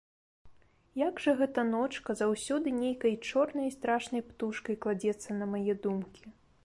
Як жа гэта ночка заўсёды нейкай чорнай і страшнай птушкай кладзецца на мае думкі!